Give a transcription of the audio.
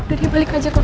udah ya balik aja